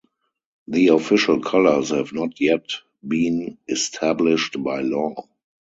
The official colors have not yet been established by law.